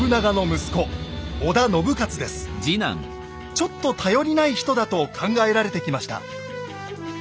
ちょっと頼りない人だと考えられてきました。